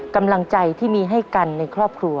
กำลังใจที่มีให้กันในครอบครัว